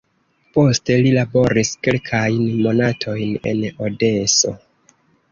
Poste li laboris kelkajn monatojn en Odeso.